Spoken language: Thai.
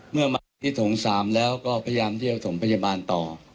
เมื่อมาที่โถง๓แล้วก็พยายามที่จะถมพยาบาลต่อ